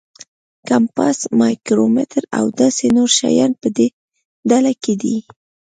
کمپاس، مایکرومیټر او داسې نور شیان په دې ډله کې دي.